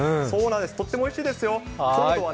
とってもおいしいですよ！